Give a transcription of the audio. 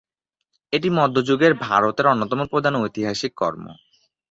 এটি মধ্যযুগের ভারতের অন্যতম প্রধান ঐতিহাসিক কর্ম।